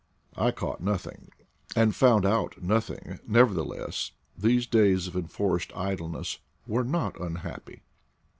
I caught nothing, and found out nothing; never theless, these days of enforced idleness were not unhappy.